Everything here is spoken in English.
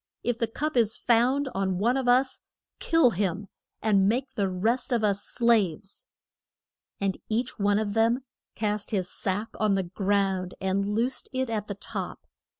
If the cup is found on one of us, kill him; and make the rest of us slaves. And each one of them cast his sack on the ground, and loosed it at the top.